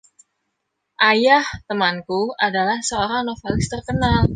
Ayah temanku adalah seorang novelis terkenal.